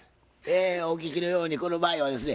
お聞きのようにこの場合はですね